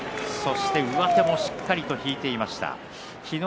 そして上手もしっかりと引いていました。